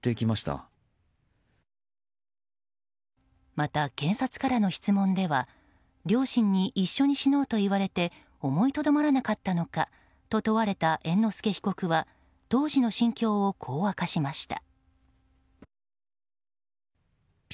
また、検察からの質問では両親に一緒に死のうと言われて思いとどまらなかったのかと問われた猿之助被告は当時の心境を、こう明かしました。